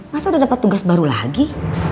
masa udah dapat tugas baru lagi